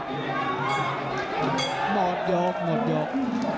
หมดโยคหมดโยค